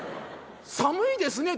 寒いですね